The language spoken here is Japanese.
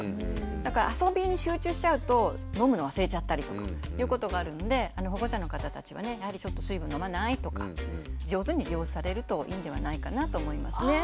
だから遊びに集中しちゃうと飲むの忘れちゃったりとかいうことがあるので保護者の方たちはねやはりちょっと「水分飲まない？」とか上手に利用されるといいんではないかなと思いますね。